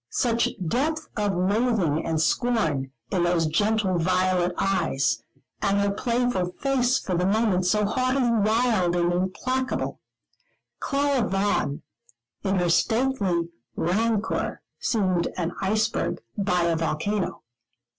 Such depth of loathing and scorn in those gentle violet eyes, and her playful face for the moment so haughtily wild and implacable Clara Vaughan, in her stately rancour, seemed an iceberg by a volcano.